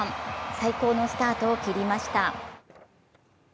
最高のスタートを切りました。